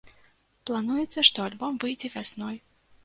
Плануецца, што альбом выйдзе вясной.